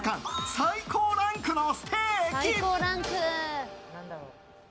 最高ランクのステーキ。